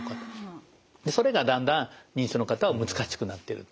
それがだんだん認知症の方は難しくなってると。